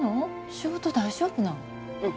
仕事大丈夫なん？